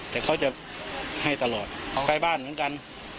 แต่เขาจะให้ตลอดไปบ้านเหมือนกัน